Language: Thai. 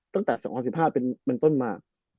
ตั้งแต่๒๐๑๕เป็นต้นมา